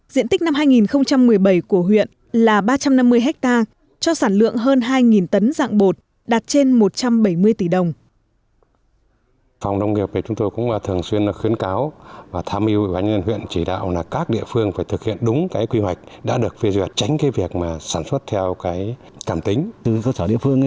diện tích năm hai nghìn một mươi bảy của huyện là ba trăm năm mươi ha cho sản lượng hơn hai tấn dạng bột đạt trên một trăm bảy mươi tỷ đồng